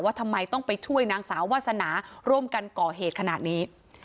ทำไมต้องไปช่วยนางสาววาสนาร่วมกันก่อเหตุขนาดนี้